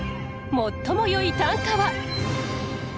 最もよい短歌は？